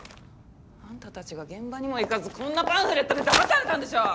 あんた達が現場にも行かずこんなパンフレットでだまされたんでしょう！